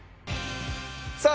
さあ